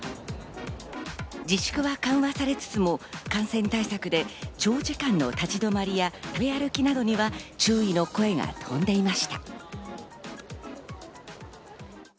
自粛は緩和されつつも、感染対策で長時間の立ち止まりや食べ歩きなどには注意の声が飛んでいました。